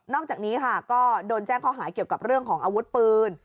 อกจากนี้ค่ะก็โดนแจ้งข้อหาเกี่ยวกับเรื่องของอาวุธปืน